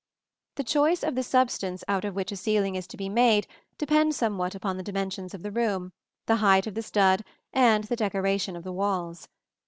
The choice of the substance out of which a ceiling is to be made depends somewhat upon the dimensions of the room, the height of the stud and the decoration of the walls.